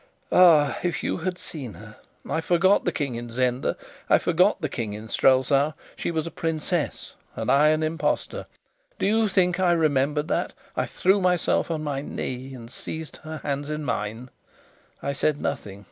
Ah, if you had seen her! I forgot the King in Zenda. I forgot the King in Strelsau. She was a princess and I an impostor. Do you think I remembered that? I threw myself on my knee and seized her hands in mine. I said nothing.